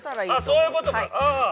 ◆そういうことか。